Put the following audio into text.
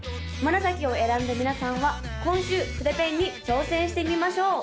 紫を選んだ皆さんは今週筆ペンに挑戦してみましょう！